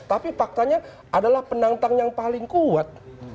tapi faktanya adalah penantang yang paling kuat